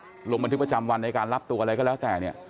ลงประวัติที่ประจำวันในการรับตัวอะไรก็แล้วแต่